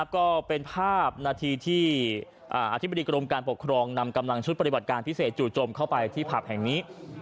ก็เป็นภาพนาทีที่อธิบดีกรมการปกครองนำกำลังชุดปฏิบัติการพิเศษจู่จมเข้าไปที่ผับแห่งนี้